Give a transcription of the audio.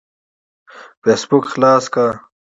فيسبوک خلاص کړه.